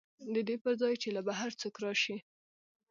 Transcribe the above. د دې پر ځای چې له بهر څوک راشي